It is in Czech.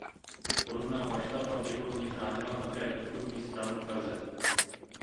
Podobná bašta pravděpodobně chránila také východní stranu tvrze.